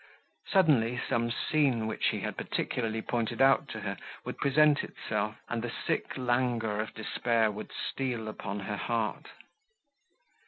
Suddenly some scene, which he had particularly pointed out to her, would present itself, and the sick languor of despair would steal upon her heart.